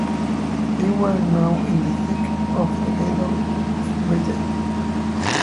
They were now in the thick of the Battle of Britain.